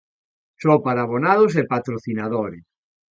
Só para abonados e patrocinadores.